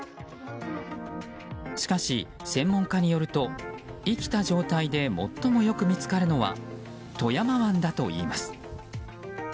しかし、専門家によると生きた状態で最もよく見つかるのは富山湾だといいます。